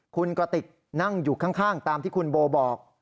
คุณกระติกนั่งอยู่ข้างตามที่คุณโบบอก